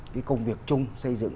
cái công việc chung xây dựng